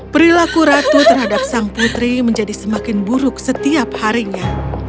perilaku ratu terhadap sang putri menjadi semakin buruk setiap harinya